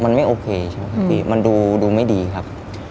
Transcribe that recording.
มันไม่โอเคมันดูไม่ดีครับ